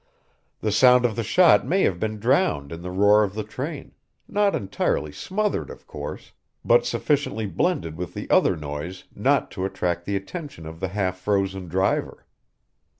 The sound of the shot may have been drowned in the roar of the train not entirely smothered of course, but sufficiently blended with the other noise not to attract the attention of the half frozen driver.